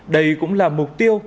đây cũng là mục tiêu